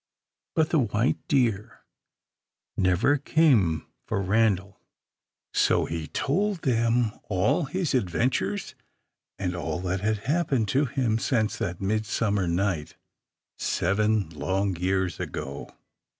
But the white deer never came for Randal. [Illustration: Page 290] So he told them all his adventures, and all that had happened to him since that midsummer night, seven long years ago.